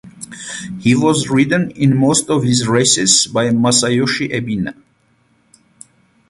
He was ridden in most of his races by Masayoshi Ebina.